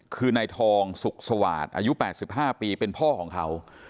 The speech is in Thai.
คือนายทองสุขสวาสตร์อายุ๘๕ปีเป็นพ่อของเขา